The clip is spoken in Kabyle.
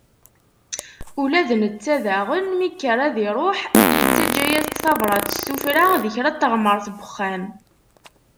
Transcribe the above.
Ula d netta daɣen, mi yekker ad iruḥ, yettaǧǧa-yas-d tabrat s tuffra di kra n teɣmert n uxxam.